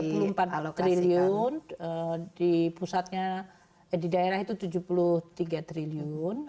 sebenarnya satu ratus tiga puluh empat triliun di pusatnya di daerah itu tujuh puluh tiga triliun